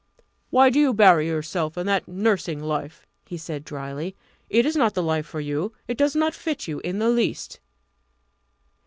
"Why do you bury yourself in that nursing life?" he said drily. "It is not the life for you; it does not fit you in the least."